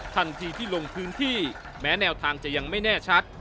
ทันทีที่ลงพื้นที่แม้แนวทางจะยังไม่แน่ชัด